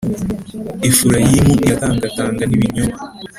Efurayimu irantangatanga n’ibinyoma,